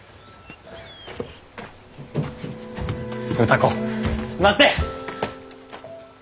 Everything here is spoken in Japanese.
歌子待って！